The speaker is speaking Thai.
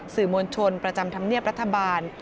สื่อมวลชนประจำธรรมเนียบรัฐบาล